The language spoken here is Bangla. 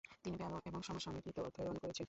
তিনি ব্যালে এবং সমসাময়িক নৃত্য অধ্যয়ন করেছেন।